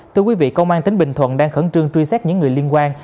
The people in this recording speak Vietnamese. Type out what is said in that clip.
từ quý vị công an tính bình thuận đang khẩn trương truy xét những người liên quan